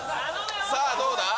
さあどうだ？